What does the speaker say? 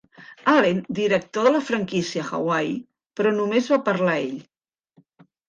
Allen, director de la franquícia a Hawaii, però només va parlar ell.